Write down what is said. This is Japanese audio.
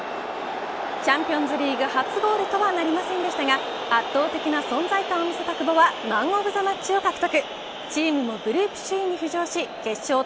チャンピオンズリーグ初ゴールとはなりませんでしたが圧倒的な存在感を見せた久保はマン・オブ・ザ・マッチを獲得。